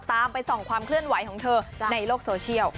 ไปส่องความเคลื่อนไหวของเธอในโลกโซเชียล